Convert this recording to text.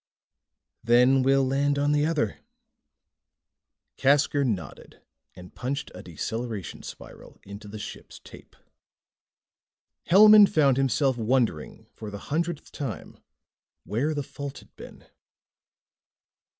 "Then we'll land on the other." Casker nodded and punched a deceleration spiral into the ship's tape. Hellman found himself wondering for the hundredth time where the fault had been.